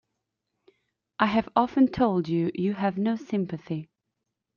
I have often told you, you have no sympathy.